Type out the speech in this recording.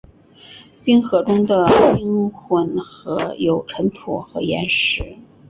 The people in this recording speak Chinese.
冰河中的冰混合有尘土和岩石。